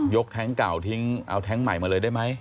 แท็งค์เก่าทิ้งเอาแท็งค์ใหม่มาเลยได้ไหม